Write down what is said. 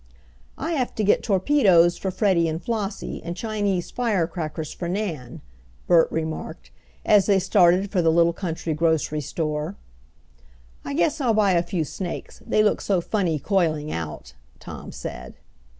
"I have to get torpedoes for Freddie and Flossie, and Chinese fire crackers for Nan," Bert remarked, as they started for the little country grocery store. "I guess I'll buy a few snakes, they look so funny coiling out," Tom said.